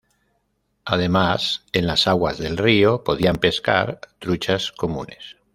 Además en las aguas del río podían pescar truchas comunes.